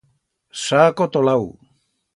S'ha acotolau.